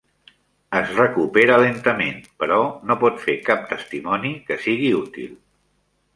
Es recupera lentament, però no pot fer cap testimoni que sigui útil.